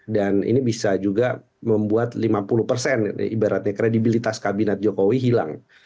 dan ini bisa juga membuat lima puluh ibaratnya kredibilitas kabinet jokowi hilang